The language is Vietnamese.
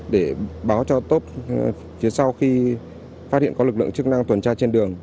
để báo cho tốt phía sau khi phát hiện có lực lượng chức năng tuần tra trên đường